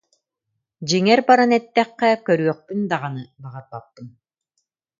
Дьиҥэр баран эттэххэ, көрүөхпүн даҕаны баҕарбаппын